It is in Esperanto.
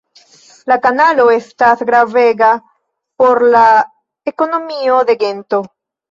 La kanalo estas gravega por la ekonomio de Gento.